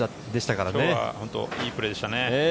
今日はいいプレーでしたね。